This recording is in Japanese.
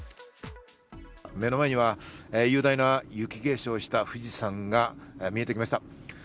目の前には雄大な雪化粧をした富士山が見えてきました。